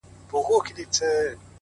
مثبت فکر د ژوند رنګ روښانوي’